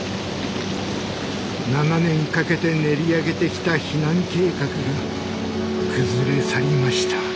７年かけて練り上げてきた避難計画が崩れ去りました。